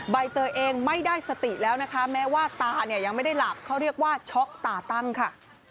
ใบเตยเองไม่ได้สติแล้วนะคะแม้ว่าตาเนี่ยยังไม่ได้หลับเขาเรียกว่าช็อกตาตั้งค่ะ